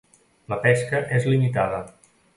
La pesca és limitada.